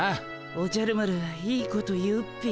おじゃる丸いいこと言うっピィ。